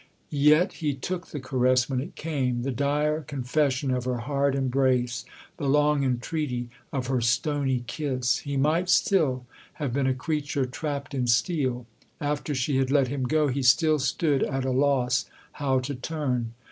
Yet he took the caress when it came the dire confes sion of her hard embrace, the long entreaty of her stony kiss. He might still have been a creature trapped in steel ; after she had let him go he still stood at a loss how to turn.